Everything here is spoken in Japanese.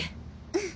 うん。